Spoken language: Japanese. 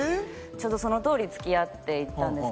ちゃんとそのとおり付き合っていったんですけども。